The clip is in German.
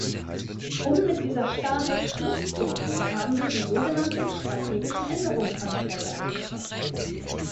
Um mit dieser Starrheit Schluss zu machen, haben wir die sogenannten strategischen Änderungsanträge eingebracht.